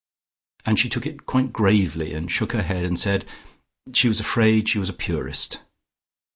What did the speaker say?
And she took it quite gravely and shook her head, and said she was afraid she was a purist.